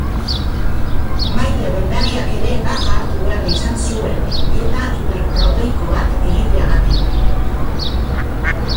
Maite dendariak ere baja hartu behar izan zuen dieta hiperproteiko bat egiteagatik.